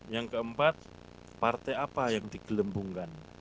yang keempat partai apa yang digelembungkan